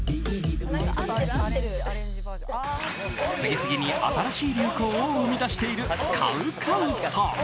次々に新しい流行を生み出しているＣＯＷＣＯＷさん。